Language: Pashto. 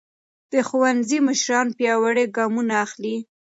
د ښوونځي مشران پیاوړي ګامونه اخلي.